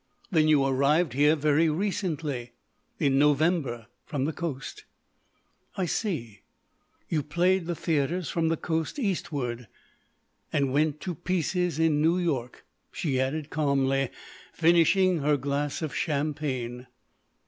"Then you arrived here very recently." "In November, from the Coast." "I see. You played the theatres from the Coast eastward." "And went to pieces in New York," she added calmly, finishing her glass of champagne.